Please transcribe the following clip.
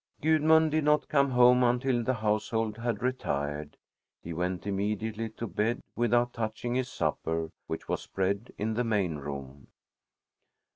Gudmund did not come home until the household had retired. He went immediately to bed without touching his supper, which was spread in the main room.